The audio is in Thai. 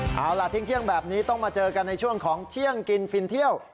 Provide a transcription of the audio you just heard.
เอาล่ะเที่ยงแบบนี้ต้องมาเจอกันในช่วงของเที่ยงกินฟินเที่ยว